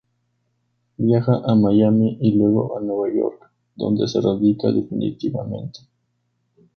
Viaja a Miami y luego a Nueva York, donde se radica definitivamente.